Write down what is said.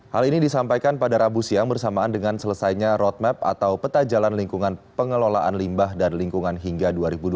hal ini disampaikan pada rabu siang bersamaan dengan selesainya roadmap atau peta jalan lingkungan pengelolaan limbah dan lingkungan hingga dua ribu dua puluh